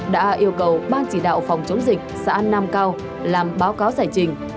đã yêu cầu ban chỉ đạo phòng chống dịch xã nam cao làm báo cáo giải trình